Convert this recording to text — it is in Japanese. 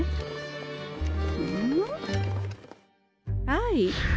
はい。